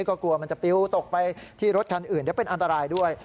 ก็กลัวมันจะปิ้วตกไปที่รถคันอื่นเดี๋ยวเป็นอันตรายด้วย